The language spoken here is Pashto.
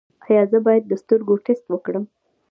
ایا زه باید د سترګو ټسټ وکړم؟